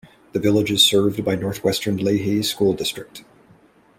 The village is served by Northwestern Lehigh School District.